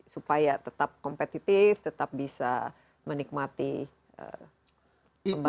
supaya tetap kompetitif tetap bisa menikmati pembangunan